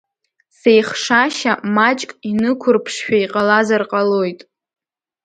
Сеихшашьа маҷк инықәырԥшшәа иҟазар ҟалоит.